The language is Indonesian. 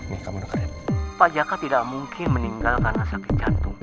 pak jaka tidak mungkin meninggal karena sakit jantung